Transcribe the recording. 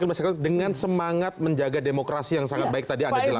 terima kasih dengan semangat menjaga demokrasi yang sangat baik tadi anda jelaskan